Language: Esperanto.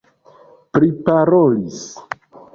priparolis